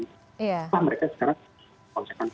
mereka sekarang harus menggunakan vaksin